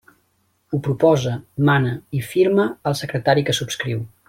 Ho proposa, mana i firma el secretari que subscriu.